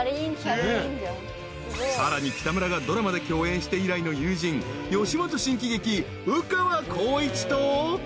［さらに北村がドラマで共演して以来の友人吉本新喜劇烏川耕一と］